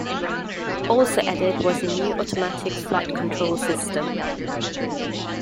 Also added was a new automatic flight control system.